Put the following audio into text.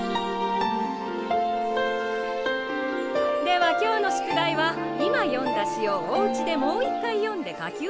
では今日のしゅくだいは今読んだ詩をおうちでもう一回読んで書きうつすこと。